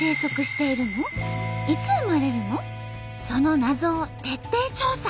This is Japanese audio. そのナゾを徹底調査。